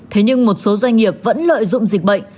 thế nhưng một số doanh nghiệp vẫn lợi dụng dịch bệnh